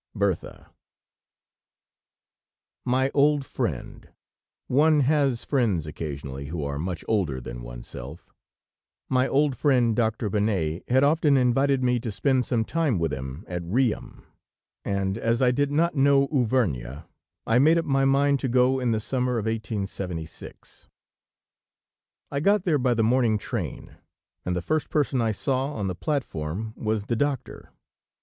BERTHA My old friend (one has friends occasionally who are much older than oneself), my old friend Doctor Bonnet, had often invited me to spend some time with him at Riom, and as I did not know Auvergne, I made up my mind to go in the summer of 1876. I got there by the morning train, and the first person I saw on the platform was the doctor.